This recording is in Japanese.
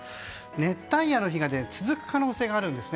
熱帯夜の日が続く可能性があるんです。